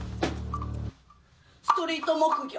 ストリート木魚。